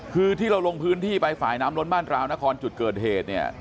คือที่เราลงพื้นที่ไปฝ่ายน้ำล้นบ้านราวนครจุดเกิดเหตุเนี่ย